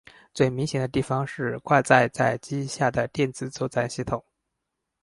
最明显的地方是挂载在机翼下的电子作战系统。